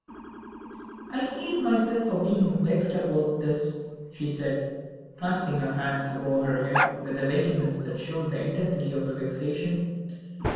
"I hate myself for being so vexed about this," she said, clasping her hands above her head with a vehemence that showed the intensity of her vexation.